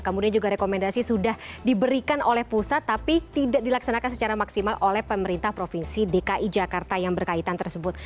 kemudian juga rekomendasi sudah diberikan oleh pusat tapi tidak dilaksanakan secara maksimal oleh pemerintah provinsi dki jakarta yang berkaitan tersebut